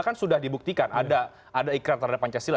kan sudah dibuktikan ada iklan terhadap pancasila